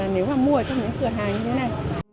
nếu mà mua trong những cửa hàng như thế này